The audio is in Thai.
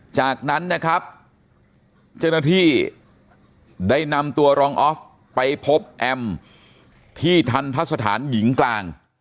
จากนั้นนะครับเจ้าหน้าที่ได้นำตัวรองออฟไปพบแอมที่ทันทะสถานหญิงกลาง